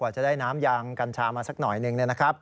จะได้น้ำยางกัญชามาสักหน่อยหนึ่งนะครับ